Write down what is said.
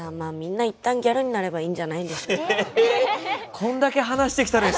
こんだけ話してきたのに